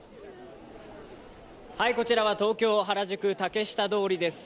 こちらは東京・原宿竹下通りです。